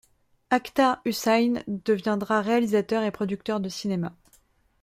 Akhtar Hussain deviendra réalisateur et producteur de cinéma.